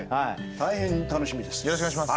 大変楽しみです。